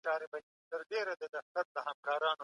هغه څوک چي فکر کوي، پوهه ترلاسه کوي.